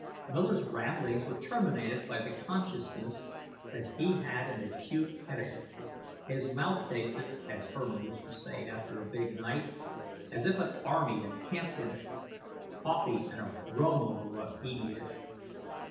Miller's ramblings were terminated by the consciousness that he had an acute headache. His mouth tasted, as Herman used to say after a big night, as if an army had camped in it. Coffee and a bromo were what he needed.